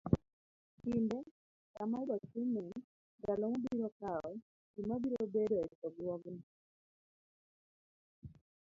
Kinde, kama ibo timee, ndalo mobiro kawo, joma biro bedo e chokruogno.